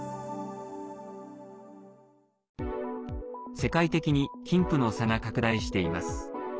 世界的に貧富の差が拡大しています。